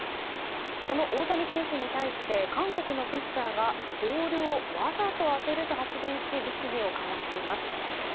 その大谷選手に対して韓国のピッチャーがボールをわざと当てると発言し物議を醸しています。